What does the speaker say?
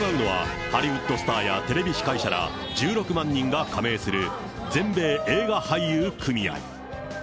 行うのは、ハリウッドスターやテレビ司会者ら、１６万人が加盟する、全米映画俳優組合。